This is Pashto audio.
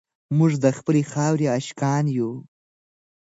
موږ د خپلې خاورې عاشقان یو.